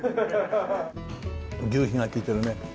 求肥が利いてるね。